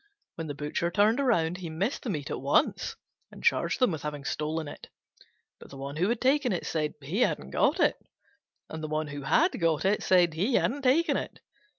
When the Butcher turned round, he missed the meat at once, and charged them with having stolen it: but the one who had taken it said he hadn't got it, and the one who had got it said he hadn't taken it.